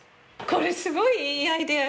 これすごいいいアイデア！